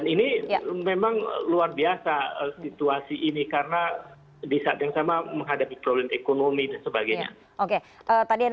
dan ini memang luar biasa situasi ini karena di saat yang sama menghadapi problem ekonomi dan sebagainya